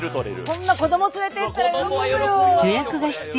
こんな子ども連れていったら喜ぶよ！